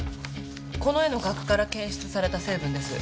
この絵の額から検出された成分です。